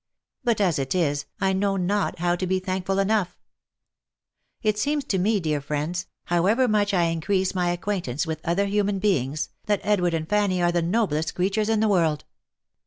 But as it is, I know not how to be thankful enough !" It seems to me, dear friends, however much I increase my ac quaintance with other human beings, that Edward and Fanny are the noblest creatures in the world.